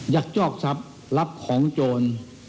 ยักษ์จ้อกทรัพย์รับของโจร